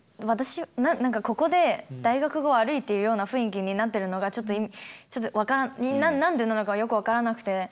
ここで大学が悪いっていうような雰囲気になってるのがちょっと何でなのかよく分からなくて。